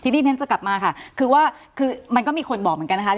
ทีนี้ฉันจะกลับมาค่ะคือว่าคือมันก็มีคนบอกเหมือนกันนะคะ